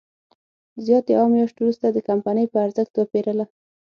زیات یوه میاشت وروسته د کمپنۍ په ارزښت وپېرله.